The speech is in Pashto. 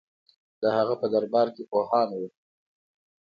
د هغه په دربار کې پوهان وو